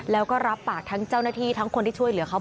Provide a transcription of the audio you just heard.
แล้วก็รับปากทั้งเจ้าหน้าที่ทั้งคนที่ช่วยเหลือเขา